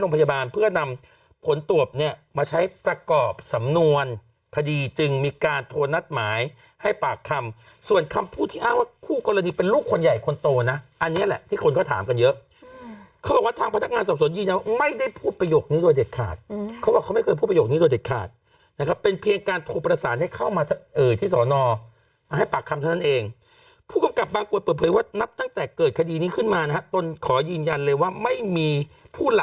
ลงพยาบาลเพื่อนำผลตรวจเนี่ยมาใช้ประกอบสำนวนคดีจึงมีการโทรนัดหมายให้ปากคำส่วนคำพูดที่อ้างว่าคู่กรณีเป็นลูกคนใหญ่คนโตนะอันเนี้ยแหละที่คนก็ถามกันเยอะอืมเขาบอกว่าทางพนักงานสรรพสนุนยี่นะว่าไม่ได้พูดประโยคนี้โดยเด็ดขาดอืมเขาบอกเขาไม่เคยพูดประโยคนี้โดยเด็ดขาดนะครับเป็นเพียงการโทรประ